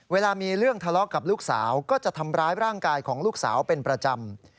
เวลามีเรื่องทะเลาะกับลูกสาวก็จะทำร้ายร่างกายของลูกสาวเป็นประจำ